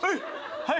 はい。